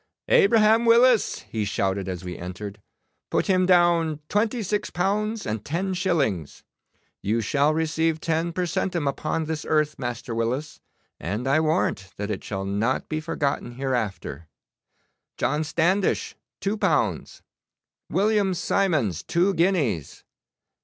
'Abraham Willis,' he shouted as we entered; 'put him down twenty six pounds and ten shillings. You shall receive ten per centum upon this earth, Master Willis, and I warrant that it shall not be forgotten hereafter. John Standish, two pounds. William Simons, two guineas.